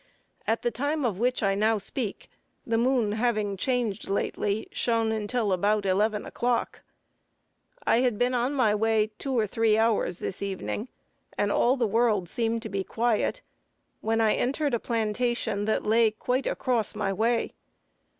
At the time of which I now speak, the moon having changed lately, shone until about eleven o'clock. I had been on my way two or three hours this evening, and all the world seemed to be quiet, when I entered a plantation that lay quite across my way.